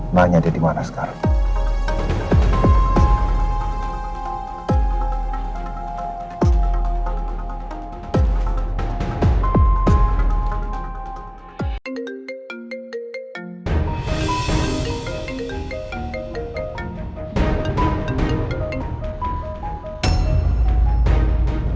nanya dia dimana sekarang